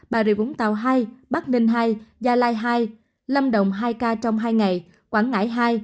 bà rịa vũng tàu hai bắc ninh hai gia lai hai lâm đồng hai ca trong hai ngày quảng ngãi hai